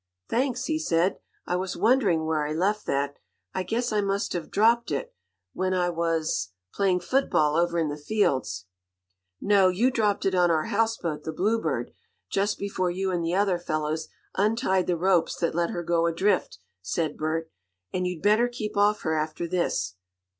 "Thanks," he said. "I was wondering where I left that. I guess I must have dropped it, when I was playing football over in the fields." "No, you dropped it on our houseboat, the Bluebird, just before you and the other fellows untied the ropes that let her go adrift," said Bert. "And you'd better keep off her after this!"